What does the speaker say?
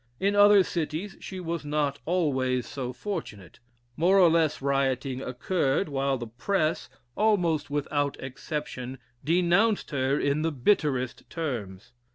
In other cities she was not always so fortunate; more or less rioting occurred, while the press, almost without exception, denounced her in the bitterest terms.